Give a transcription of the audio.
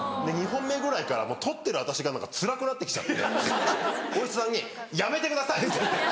２本目ぐらいから撮ってる私がつらくなって来ちゃってお医者さんに「やめてください！」って言って。